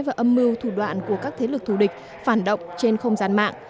và âm mưu thủ đoạn của các thế lực thù địch phản động trên không gian mạng